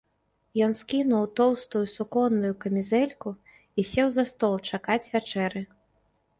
Ён скінуў тоўстую суконную камізэльку і сеў за стол чакаць вячэры.